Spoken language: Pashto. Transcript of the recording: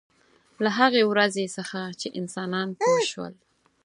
له هغې ورځې څخه چې انسانان پوه شول.